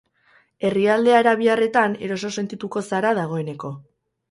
Herrialde arabiarretan eroso sentituko zara dagoeneko.